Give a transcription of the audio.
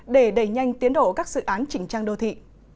để đẩy nhanh tiến độ các dự án chỉnh trang đô thị